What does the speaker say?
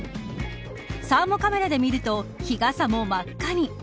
サーモカメラで見ると日傘も真っ赤に。